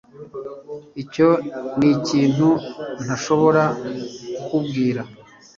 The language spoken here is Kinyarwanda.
Icyo nikintu ntashobora kukubwira